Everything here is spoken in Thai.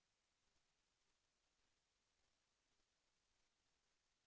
แสวได้ไงของเราก็เชียนนักอยู่ค่ะเป็นผู้ร่วมงานที่ดีมาก